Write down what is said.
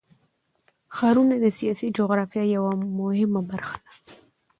ښارونه د سیاسي جغرافیه یوه مهمه برخه ده.